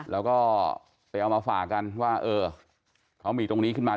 แล้วก็ไปเอามาฝากกันว่าเออเขามีตรงนี้ขึ้นมา